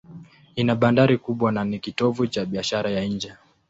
Ina bandari kubwa na ni kitovu cha biashara ya nje.